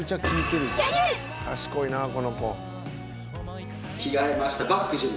賢いなこの子。